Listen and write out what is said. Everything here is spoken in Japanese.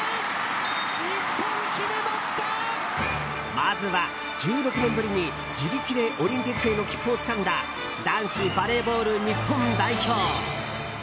まずは１６年ぶりに、自力でオリンピックへの切符をつかんだ男子バレーボール日本代表。